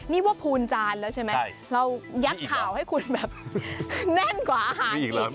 นี่ว่าพูนจานแล้วใช่ไหมเรายัดข่าวให้คุณแบบแน่นกว่าอาหารอีก